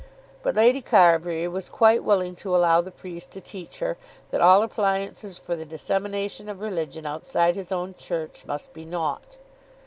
But Lady Carbury was quite willing to allow the priest to teach her that all appliances for the dissemination of religion outside his own church must be naught.